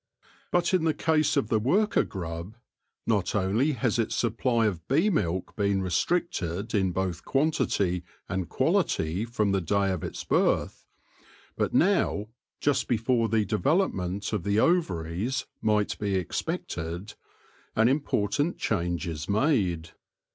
But in the case of the worker grub, not only has its supply of bee milk been restricted in both quantity and quality from the day of its birth, but now — just before the development of the ovaries might be expected — an important change is made.